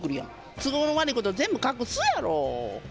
都合の悪いこと、全部隠すやろ。